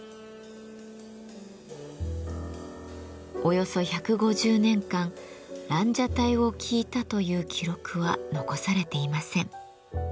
およそ１５０年間蘭奢待を聞いたという記録は残されていません。